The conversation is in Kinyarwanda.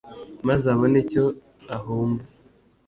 maze abone icyo ahumba